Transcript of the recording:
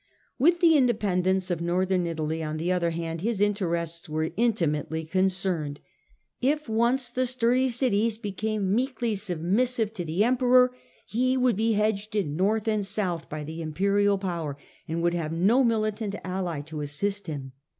With the independence of Northern Italy, on the other hand, his interests were intimately con cerned. If once the sturdy cities became meekly sub missive to the Emperor, he would be hedged in North and South by the Imperial power, and would have no militant ally to assist him.